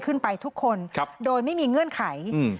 ทุกคนโดยไม่มีเงื่อนไข